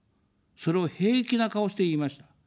それを平気な顔して言いました。